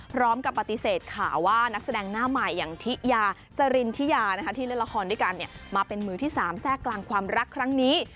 พร้อมกับปฏิเสธข่าวว่านักแสดงหน้าใหม่อย่างทิยาสรินทิยาที่เล่นละครด้วยกันมาเป็นมือที่๓แทรกกลางความรักครั้งนี้